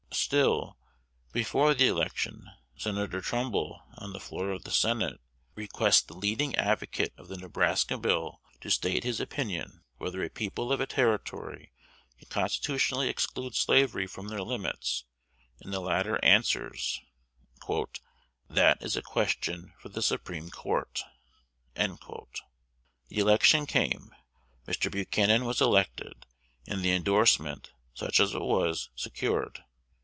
Still, before the election, Senator Trumbull, on the floor of the Senate, requests the leading advocate of the Nebraska Bill to state his opinion whether a people of a Territory can constitutionally exclude slavery from their limits; and the latter answers, "That is a question for the Supreme Court." The election came. Mr. Buchanan was elected, and the indorsement, such as it was, secured.